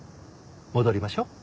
戻りましょう。